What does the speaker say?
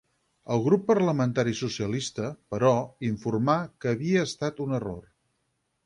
El grup parlamentari socialista, però, informà que havia estat un error.